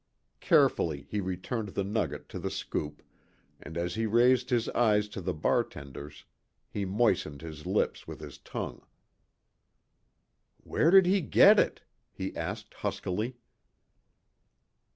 Carefully he returned the nugget to the scoop, and as he raised his eyes to the bartender's, he moistened his lips with his tongue. "Where did he get it?" he asked, huskily.